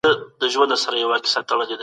آیا تاسي خپل پلار بېدوئ؟